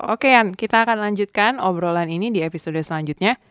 oke kita akan lanjutkan obrolan ini di episode selanjutnya